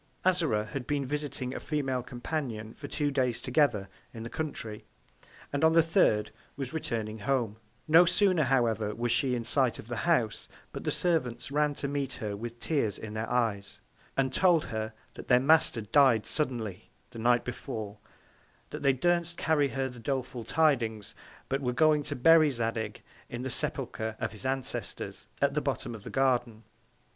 Azora had been visiting a Female Companion for two Days together in the Country, and on the third was returning home: No sooner, however, was she in Sight of the House, but the Servants ran to meet her with Tears in their Eyes, and told her, that their Master dy'd suddenly the Night before; that they durstn't carry her the doleful Tidings, but were going to bury Zadig in the Sepulchre of his Ancestors, at the Bottom of the Garden.